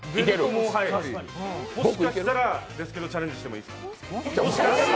もしかしたらですけどチャレンジしていいですか。